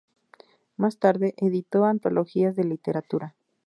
Más tarde editó antologías de literatura.